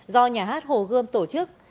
do nhà hát hồ gươm tổ chức